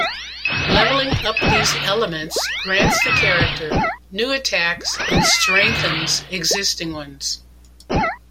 Leveling up these elements grants the character new attacks and strengthens existing ones.